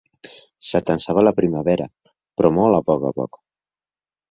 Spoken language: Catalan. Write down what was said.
S'atansava la primavera, però molt a poc a poc.